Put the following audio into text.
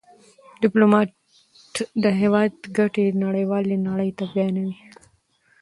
ډيپلومات د هېواد ګټې نړېوالي نړۍ ته بیانوي.